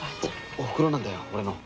おふくろなんだよ俺の。